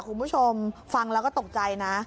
คุณผู้ชมฟังแล้วก็ตกใจนะ